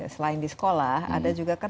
selain di sekolah ada juga kan